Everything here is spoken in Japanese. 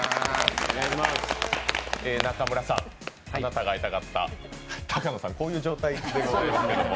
中村さん、あなたが会いたかった高野さん、こういう状態ですけど。